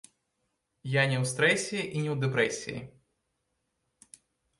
Я не ў стрэсе і не ў дэпрэсіі.